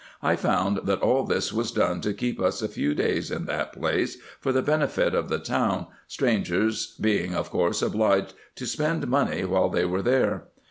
I found, that all this was done to keep us a few days in that place for the benefit of the town, strangers being of course obliged to spend money while they are there.